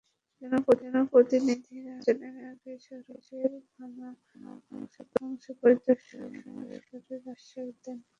জনপ্রতিনিধিরা নির্বাচনের আগে সড়কের ভাঙা অংশ পরিদর্শন করে সংস্কারের আশ্বাস দেন।